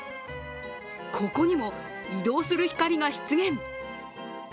ここにも移動する光が出現。